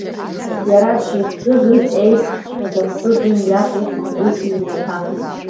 Иара дшихӡыӡоз еиԥшҵәҟьа дахӡыӡон иаб ихьӡ, уи иҩнаҭа.